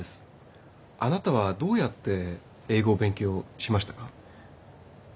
あなたはどうやって英語を勉強しましたか？